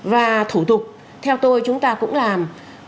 và thủ tục theo tôi chúng ta cũng làm